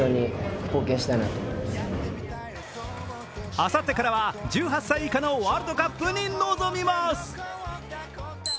あさってからは１８歳以下のワールドカップに臨みます。